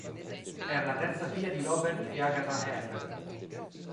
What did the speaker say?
Era la terza figlia di Robert e Agatha Herr.